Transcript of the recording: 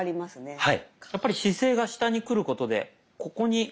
はい。